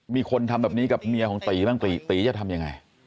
มีคนทำแบบนี้กับเมียของตีบ้างตีตีจะทำยังไง